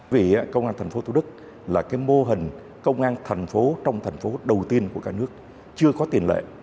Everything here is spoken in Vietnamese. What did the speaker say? vì công an thành phố thủ đức là cái mô hình công an thành phố trong thành phố đầu tiên của cả nước chưa có tiền lệ